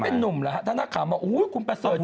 ถ้าเป็นนุ่มหรือถ้านักข่าวมาคุณประเสริฐจังเลย